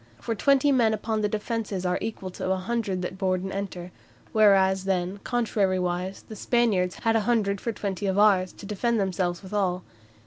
For twenty men upon the defences are equal to a hundred that board and enter; whereas then, contrariwise, the Spaniards had a hundred for twenty of ours, to defend themselves withal.